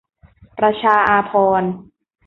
ประชาอาภรณ์